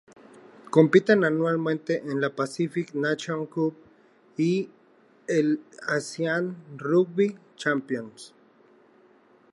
Compiten anualmente en la Pacific Nations Cup y el Asian Rugby Championship.